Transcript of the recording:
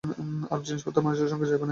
আর, জিনিসপত্র মানুষের সঙ্গে যাইবে না কি।